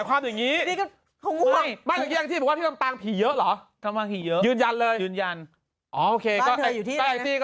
เขาหมายความอย่างนี้